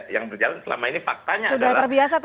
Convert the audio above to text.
yang berjalan selama ini faktanya adalah